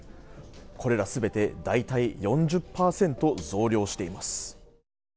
これら全てだいたい４０％増量しています。